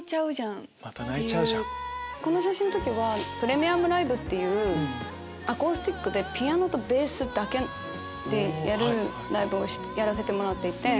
この写真の時はプレミアムライブっていうアコースティックでピアノとベースだけでやるライブをやらせてもらっていて。